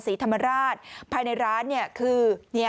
ศรีธรรมราชภายในร้านคือ